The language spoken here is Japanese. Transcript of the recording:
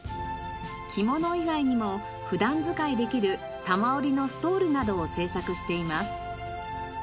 着物以外にも普段使いできる多摩織のストールなどを制作しています。